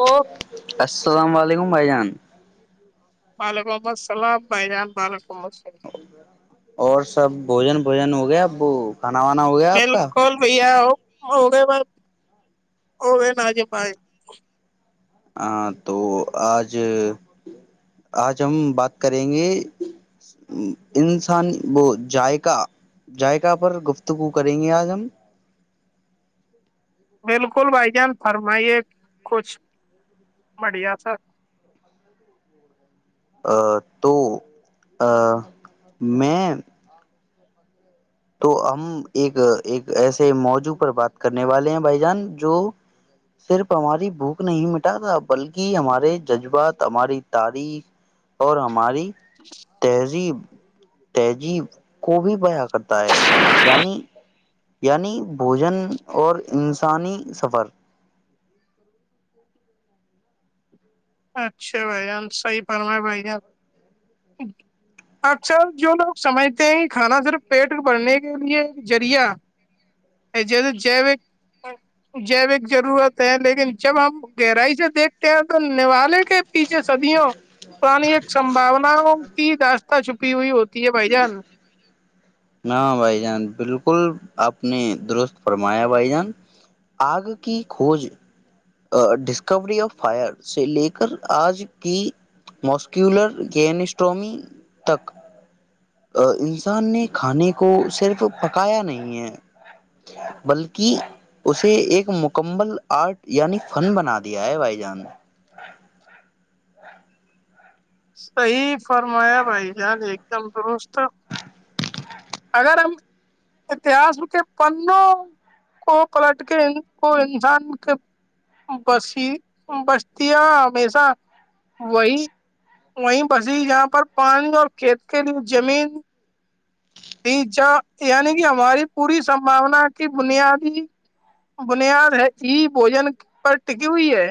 او السلام علیکم بھائیجان وعلیکم السلام بھائی جان وعلیکم السلام اور سب بھوجن بھوجن ہو گیا اب بالکل بھیا ہو [unintelligible] ہاں تو آج آج ہم بات کریں گے انسانی وہ جذائقہ جذائقہ پر گفتگو کریں گے آج ہم بالکل بھائی جان فرمائیے کچھ بڑیا س ا تو ا میں تو ہم ایک ایک ایسے موضوع پر بات کرنے والے ہیں بھائی جان جو صرف ہماری بھوک نہیں مٹاتا بلکہ ہمارے جذبات ہماری تاریخ اور ہماری تہذیب تہذیب کو بھی بیاں کرتا کرتا ہے یعنی بھوجن اور انسانی سفر اچھا بھائی جان صحیح فرما بھائی جان اکثر جو لوگ سمجھتے ہیں کہ کھانا صرف پیٹ بھرھنے کے لیے ایک ذریعہ جیسے جوک جیوک ضرورت ہے لیکن جب ہم گہرائی سے دیکھتے ہیں تو [unintelligible] [unintelligible] چپی ہوئی ہوتی ہے بھائی جان نہ بھائی جان بالکل آپ نے درست فرمایا بھائی جان آگ کی کھوج ڈسکوری آف فائر سے لے کر آج کی موسکیولر گسٹمی تک انسان نے کھانے کو صرف پکایا نہیں ہے بلکہ اسے ایک مکمل آرٹ یعنی فن بنا دیا ہے بھائی جان صحیحی فرمایا بھائی جان ایک دم دوست تو اگر ہم اتہس کے پنوں کو پلٹ کے ان کو انسان کے بسی بستیاں ہمیشہ وہی وہی بسی جہاں پر پانی اور کھیت کے لیے زمین ج یعنی کہ ہماری پوری سمباونا کی بنیادی بنیاد ہے ہی بوجن پر ٹکی ہوئی ہے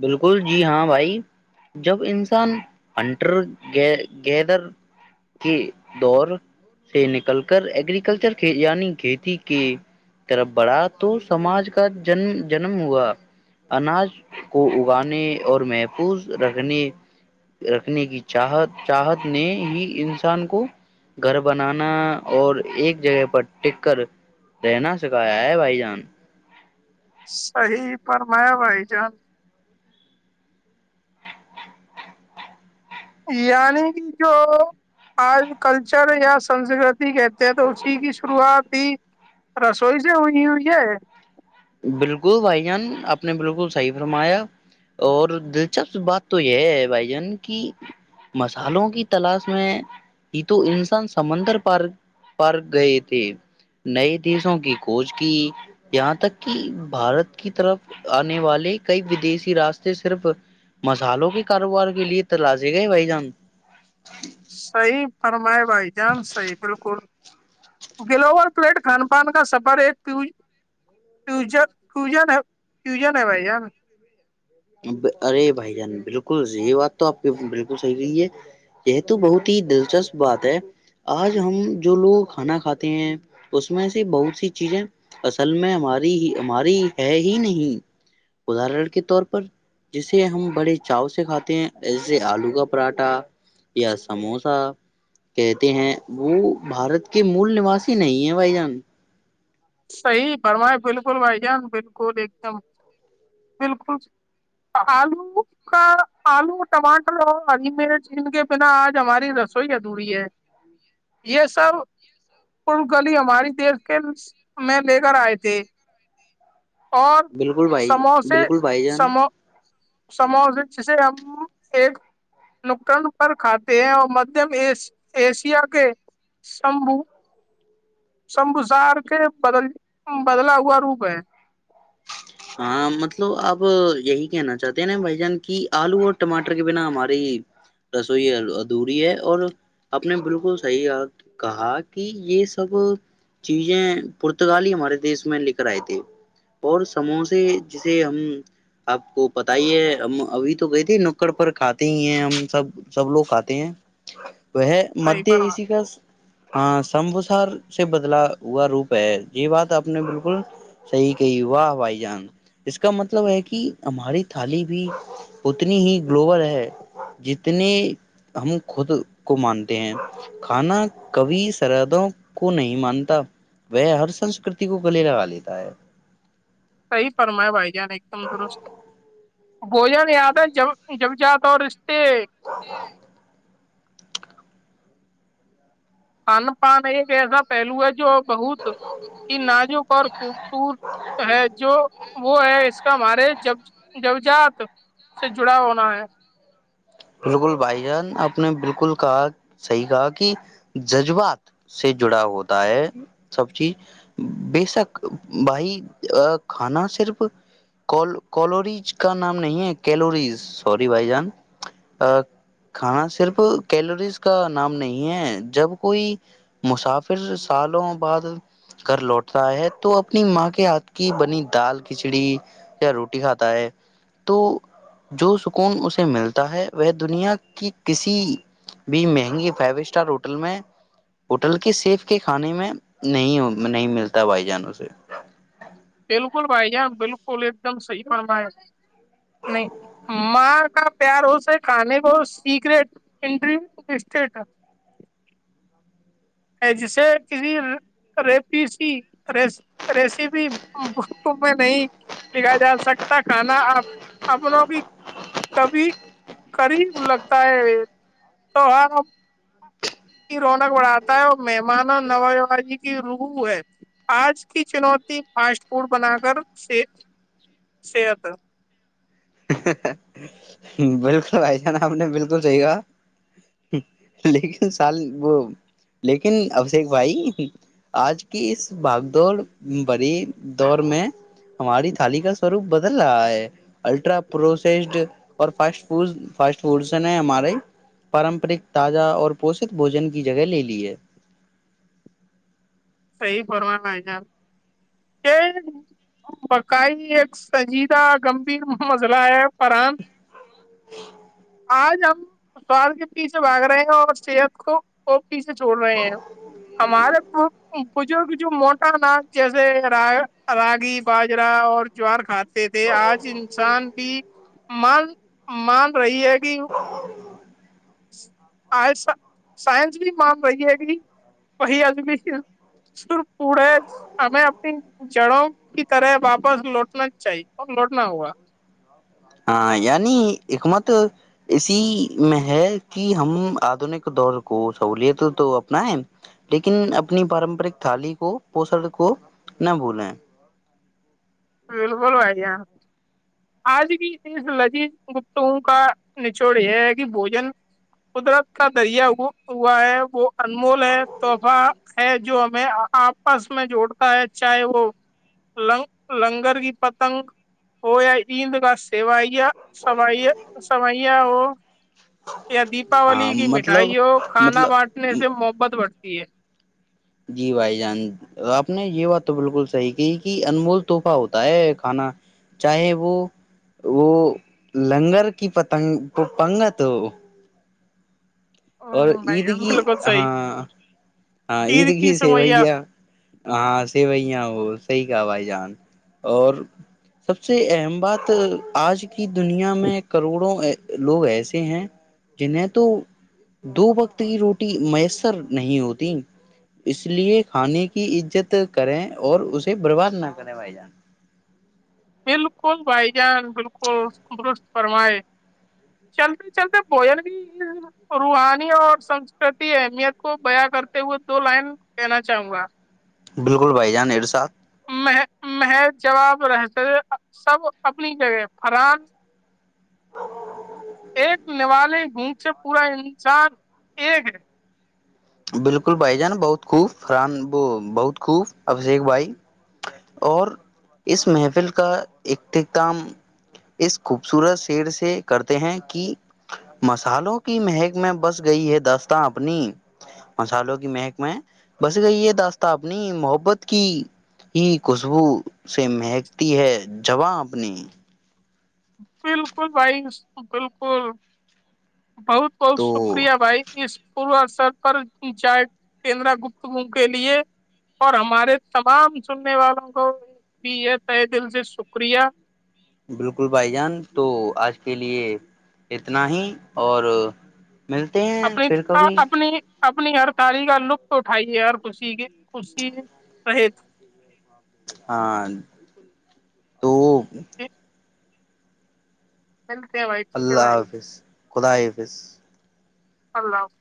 بالکل جی ہاں بھائی جب انسان ہنٹر گیدر کے دور سے نکل کر ایگررییکلچر یعنی کھیتی کے طرف بڑا تو سماج کا جنم جنم ہوا اناج کو اگانے اور محفوظ رکھنے رکھنے کی چاہت چاہت نے ہی انسان کو گھر بنانا اور ایک جگہ پر ٹیک کر رہنا سکھایا ہے بھائی جان صحی پرمایا بھائی جان یعنی کہ جو آج کلچر یا سنسکرتی کہتے ہیں تو اسی کی شروعات ہی رسوئی سے ہوئی ہوئی ہے بالکل بھائی جان آپ نے بالکل صحیح فرمایا اور دلچسپ بات تو یہ ہے بھائی جان کی مسالوں کی تلاش میں ہی تو انسان سمندر پار پار گئے تھے نئے دیشوں کی کھوج کی یہاں تک کہ بھارت کی طرف آنے والے کئی ودیشی راستے صرف مسالوں کے کاروبار کے لیے تلازے گئے بھائی جان صحیح فرمائے بھائی جام صح بالکل گلوور پلیٹ کھان پان کا سفر ایک ف فین ہے بھائی جان ارے بھائی جان بالکل یہی بات تو آپ کے بالکل صحیح رہی ہے یہ تو بہت ہی دلچسپ بات ہے آج ہم جو لوگ کھانا کھاتے ہیں اس میں سے بہت سی چیزیں اصل میں ہماری ہی ہماری ہے ہی نہیں ادر کے طور جسے ہم بڑے چاؤ سے کھاتے ہیں جسے آلو کا پراٹھا یا سموسا کہتے ہیں وہ بھارت کے مول نواسی نہیں ہے بھائی جان صحی برمائے بالکل بھائی جان بالکل ایک دم بالکل آلو کا آلو ٹماٹر اور ہری مرچ ان کے بنا آج ہماری رسوئی ادھوری ہے یہ سب پ گلی ہماری دیش کے میں لے کر آئے تھے اور بالکل بھائی بالکل بھائی جان سموس جسے ہم ایک نکن پر کھاتے ہیں اور مدھیم ایشیا کے شمبو سن گزار کے بدل بدلا ہوا روپ ہے ہاں مطلب اب یہی کہنا چاہتے ہیں نا بھائی جان کی آلو اور ٹماٹر کے بنا ہماری رسوئی ادھوری ہے اور آپ نے بالکل صحیح کہا کہ یہ سب چیزیں پورتگالی ہمارے دیس میں لے کر آئے تھے اور سموسے جسے ہم آپ کو پت ہی ہے ہم ابھی تو گئے تھے نکڑ پر کھاتے ہی ہیں ہم سب سب لوگ کھاتے ہیں وہ صحیح مدھی فرما ایشی کا ہاں سمبو سے بدلا ہوا روپ ہے یہ بات آپ نے بالکل صحیح واہ بھائی جان اس کا مطلب ہے کہ ہماری تھالی بھی اتنی ہی گلوبل ہے جتنے ہم خود کو مانتے ہیں کھانا کبھی سردوں کو نہیں مانتا وہ ہر سنسکرتی کو گلے لگا لیتا ہے صحی فرمائے بھائی جان ایک دم درست بوجن یاد ہے جب جب جاتا اور [inaudible] کان پان ایک ایسا پہلو ہے جو بہت کی نازوں پر خوبصورت ہے جو وہ ہے اس کا مارے ججات سے جڑا ہونا ہے بالکل بھائی جان آپ نے بالکل کہا صحی کہا کہ جذبات سے جڑا ہوتا ہے سب چیز بے شک بھائی کھانا صرف کولوریز کا نام نہیں ہے کیلوریز سوری بھائی جان کھانا صرف کیلوریز کا نام نہیں ہے جب کوئی مسافر سالوں بعد گھر لوٹتا ہے تو اپنی ماں کے ہاتھ کی بنی دال کھچڑی یا روٹی کھاتا ہے تو جو سکون اسے ملتا ہے وہ دنیا کی کسی بھی مہنگی فائیو اسٹار ہوٹل میں ہوٹل کے سیف کے کھانے میں نہیں نہیں ملتا بھائی جانوں سے بالکل بھائی ج بالکل ایک دم سی پر م ہے نہیں مار کا پیار ہو س ہے کانے کو سیکریٹ انٹری اسٹیٹ ہے جسے کسی ر ریسیپی میں نہیں لکھا جا سکتا کھانا اپن بھی کبھی کری لگتا ہے تو آ کی رونق بڑھاتا ہے اور مہمانوں نوجی کی روح ہے آج کی چنوتی فاسٹ فوڈ بنا کرت صحت بالکل بھائی جان ہم نے بالکل صحی کہا لیکن سال وہ لیکن ابشیک بھائی آج کی اس بھاگدڑ بڑی دور میں ہماری تھالی کا سوروپ بدل رہا ہے الٹرا پروسیسڈ اور فٹ فوڈ فاسٹ فڈس نے ہمارے پارمپرک تازہ اور پوشت بوجن کی جگہ لے لی ہے صحیح پروانا ہے جان یہ بکائی ایک سجیدہ گمبھیر مزلہ ہے فران ہ [inaudible] آج ہم سواد کے پیچھے باگ رہے ہیں اور صحت کو خ سے جوڑ رہے ہیں ہمارا تو بزرگ جو موٹا ن جیسے راگی باجرا اور جوار خھ تھے آج انسان بھی مان مان رہی ہے کہ ہ [inaudible] آج سائنس بھی مان رہی ہے کہ وہی اج بھی سرخ پڑے ہمیں اپنی جڑوں کی طرح واپس لوٹنا چاہیے اور لوٹنا ہوا ہاں یعنی حکمت اسی میں ہے کہ ہم آدنک دور کو سہولت تو اپنائ لیکن اپنی پارمپرک تھالی کو پوسر کو نہ بھولیں بالکل بھائییا آج کی اس لذیذ گپتگوں کا نچوڑ یہ ہے کہ بوجن قدرت کا دریا ہوا ہے وہ انمول ہے توحفہ ہے جو ہمیں آپس میں جوڑتا ہے چاہے وہ لنگ لنگر کی پتنگ ہو یا ایند کا سیوائیا س سوئیا ہو یا ہاں دیپاولی کی مطلب مٹھائی ہو کھانا مطلب بانٹنے سے محبت بڑتی ہے جی بھائی جان آپ نے یہ بات تو بالکل صحیح کہ کہ انمول تحفہ ہوتا ہے کھانا چاہے وہ وہ لنگر کی پتنگ پنگت ہو اور ہ بھائی عید جان کی بالکل صحیح ہاں ہاں عید کی سیویا ہاں سیویا صحیح کہا بھائی جان اور سب سے اہم بات آج کی دنیا میں کروڑوں لوگ ایسے ہیں جنیں تو دو وقت کی روٹی میسر نہیں ہوتی اس لیے کھانے کی عزت کریں اور اسے برباد نہ کریں بھائی جان بالکل بھائی جان بالکلندرست فرمائے چلتے چلتے بوجن بھی روحانی اور سنسکرتی اہمیت کو بیا کرتے ہوئے دو لائن کہینا چاہوں گا بالکل بھائی جان ایرے ساتھ محض جواب رہتے سب اپنی جگہ فران ایک نوی گھونٹ سے پورا انسان ایک ہے بالکل بھائی جان بہت خوبران وہ بہت خوب ابھیشیک بھائی اور اس محفل کا اختتام اس خوبصورت شیر سے کرتے ہیں کہ مسالوں کی مہک میں بس گئی ہے دستاں اپنی مسالوں کی مہک میں بس گ یہ داستتا اپنی محبت کی ہی خوشبو سے مہکتی ہے جواں اپنی بالکل بھائی بالکل بہت بہت تو شکریہ بھائی اس پوروتر پر چائے کیندرا گپتگ کے لیے اور ہمارے تمام سننے والوں کو بھی یہ تے دل سے شکریہ بالکل بھائی جان تو آج کے لیے اتنا ہی اور ملتے ہیں اپنی پھر کبھی اپنی اپنی ہر تاری کا لطف اٹھائیے ہر خوشی کے خوشی رہے ہاں تو [inaudible] ملتے ہیں بھائی ٹھیک ہے اللہ بھائی حافظ خدائ پس اللہ حفظ